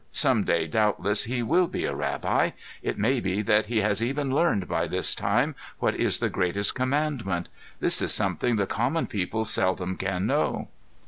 Some day doubtless he will be a rabbi. It may be that he has even learned by this time what is the Greatest Commandment. This is something the common people seldom can know."